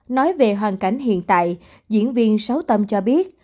nói về hoàn cảnh hiện tại diễn viên sáu tâm cho biết